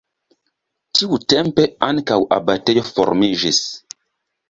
Tiutempe ankaŭ abatejo formiĝis.